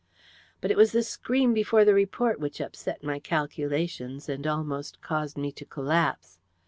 "But it was the scream before the report which upset my calculations and almost caused me to collapse.